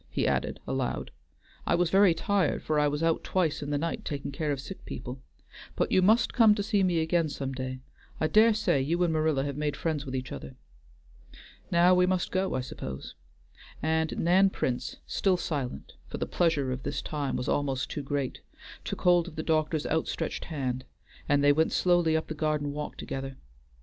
he added aloud. "I was very tired, for I was out twice in the night taking care of sick people. But you must come to see me again some day. I dare say you and Marilla have made friends with each other. Now we must go, I suppose," and Nan Prince, still silent, for the pleasure of this time was almost too great, took hold of the doctor's outstretched hand, and they went slowly up the garden walk together.